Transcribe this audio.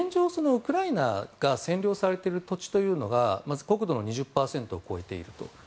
ウクライナが占領されている土地というのはまず国土の２０％を超えていると。